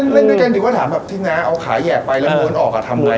เล่นด้วยกันดิวก็ถามแบบที่น้าเอาขาแหย่ไปแล้วม้วนออกอ่ะทำไง